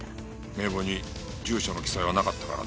名簿に住所の記載はなかったからな。